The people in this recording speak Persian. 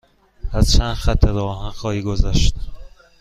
از چند خط راه آهن خواهی گذشت.